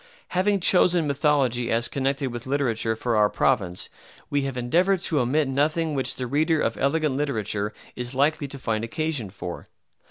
Having chosen mythology as connected with literature for our province, we have endeavored to omit nothing which the reader of elegant literature is likely to find occasion for.